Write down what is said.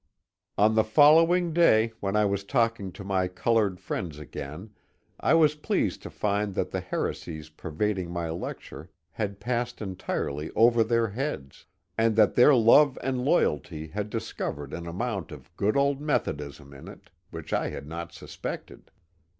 " On the following day when I was talking to my colonred friends again I was pleased to find that the heresies pervad ing my lecture had passed entirely over their heads, and that their love and loyalty had discovered an amount of good old Methodism in it which I had not suspected.